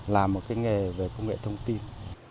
làm một cái nghề về công nghệ thông tin